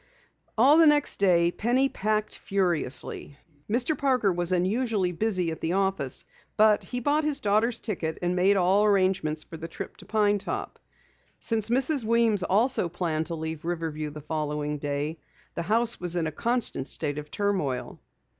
All the next day Penny packed furiously. Mr. Parker was unusually busy at the office, but he bought his daughter's ticket and made all arrangements for the trip to Pine Top. Since Mrs. Weems also planned to leave Riverview the following day, the house was in a constant state of turmoil.